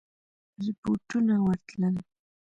رپوټونه ورتلل.